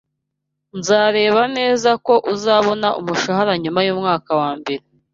Nzareba neza ko uzabona umushahara nyuma yumwaka wambere.